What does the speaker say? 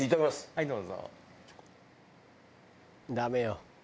はいどうぞ。